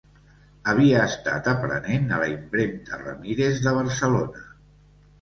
Havia estat aprenent a la impremta Ramírez de Barcelona.